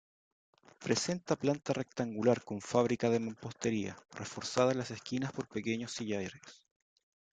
Presenta planta rectangular con fábrica de mampostería, reforzada en las esquinas por pequeños sillares.